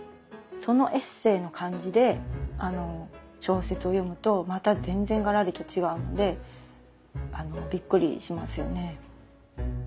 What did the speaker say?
そのエッセーの感じで小説を読むとまた全然がらりと違うのでびっくりしますよね。